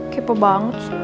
kipe banget sih